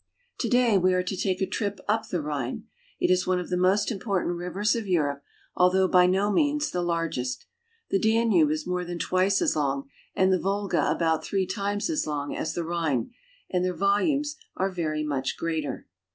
TO DAY we are to take a trip up the Rhine. It is one of the most important rivers of Europe, although by no means the largest. The Danube is more than twice as long, and the Volga about three times as long, as the Rhine, and their vol umes are very much greater.